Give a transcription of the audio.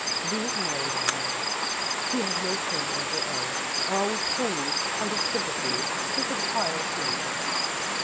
"These married old maids, who have no children of their own, are always wholly out of sympathy with a child's nature."